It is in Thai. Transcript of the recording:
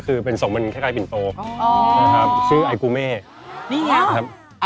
คืออันนี้คือไอจีด้วยป่ะคะ